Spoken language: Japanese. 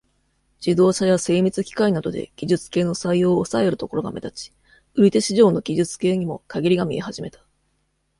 自動車や、精密機械などで、技術系の採用を、抑えるところが目立ち、売り手市場の技術系にも、かげりが見え始めた。